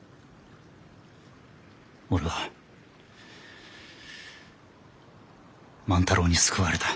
俺は万太郎に救われた。